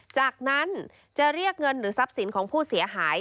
จากนั้นจะเรียกเงินหรือทรัพย์สินของผู้เสียหาย